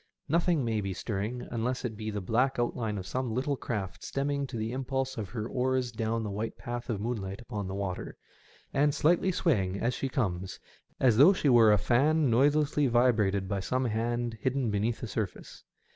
Nothing may be stirring, unless it be the black outline of some little craft stemming to the impulse of her oars down the white path of moonlight upon the water, and slightly swaying as she comes as though she were a fan noise 216 SEASIDE EFFECTS. lessly vibrated by some hand hidden beneath the surface.